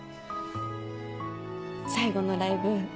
最後のライブ